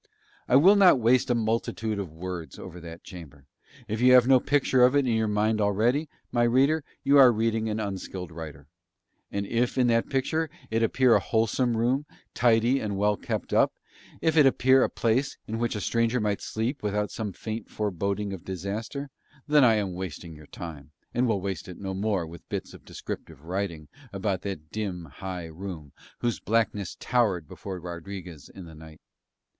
I will not waste a multitude of words over that chamber; if you have no picture of it in your mind already, my reader, you are reading an unskilled writer, and if in that picture it appear a wholesome room, tidy and well kept up, if it appear a place in which a stranger might sleep without some faint foreboding of disaster, then I am wasting your time, and will waste no more of it with bits of "descriptive writing" about that dim, high room, whose blackness towered before Rodriguez in the night.